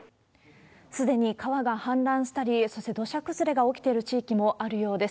すでに川が氾濫したり、そして土砂崩れが起きている地域もあるようです。